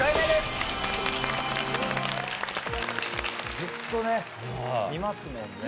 ずっとね見ますもんね。